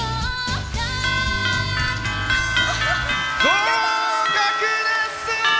合格ですー！